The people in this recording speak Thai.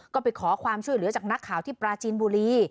ก็ไปขอความช่วยเหลือจากนักข่าวที่ปราจีนบุรี